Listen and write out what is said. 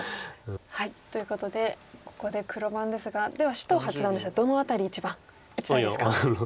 ということでここで黒番ですがでは首藤八段でしたらどの辺り一番打ちたいですか。